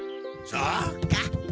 そうか。